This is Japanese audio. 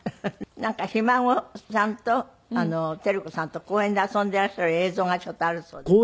なんかひ孫さんと照子さんと公園で遊んでいらっしゃる映像がちょっとあるそうです。